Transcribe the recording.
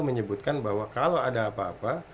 menyebutkan bahwa kalau ada apa apa